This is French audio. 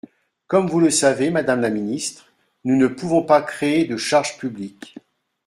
Comme vous le savez, madame la ministre, nous ne pouvons pas créer de charge publique.